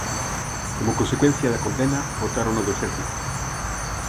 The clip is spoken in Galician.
Como consecuencia da condena botárono do exército.